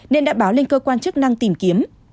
nên đã báo lên cơ quan chức năng tìm kiếm